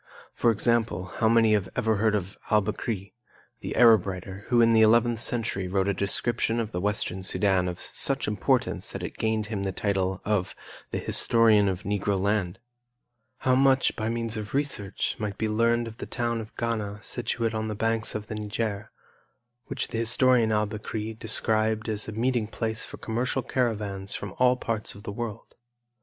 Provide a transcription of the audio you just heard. For example, how many have ever heard of Al Bekri, the Arab writer, who in the eleventh century wrote a description of the Western Sudan of such importance that it gained him the title of "The Historian of Negro Land"? How much, by means of research, might be learned of the town of Ghana situate on the banks of the Niger, which the historian Al Bekri described as a meeting place for commercial caravans from all parts of the world?